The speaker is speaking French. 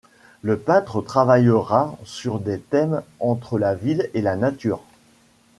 Le peintre travaillera sur des thèmes entre la ville et la nature.